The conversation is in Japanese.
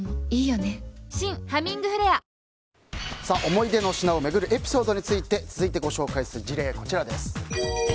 思い出の品を巡るエピソードについて続いてご紹介する事例はこちらです。